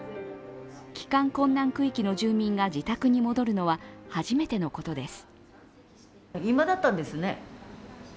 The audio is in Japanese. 帰還困難区域の住民が自宅に戻るのは初めてのことです。